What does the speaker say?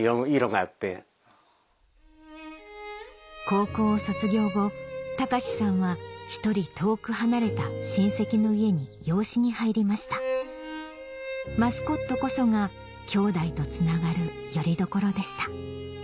高校を卒業後喬さんは１人遠く離れた親戚の家に養子に入りました『マスコット』こそがきょうだいとつながるよりどころでした